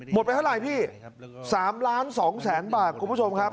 หมดไปเท่าไรพี่๓ล้าน๒๐๐๐๐๐บาทคุณผู้ชมครับ